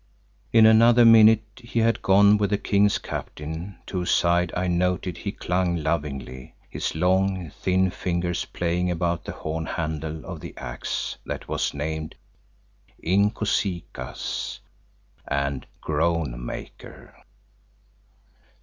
In another minute he had gone with the King's captain, to whose side I noted he clung lovingly, his long, thin fingers playing about the horn handle of the axe that was named Inkosikaas and Groan maker.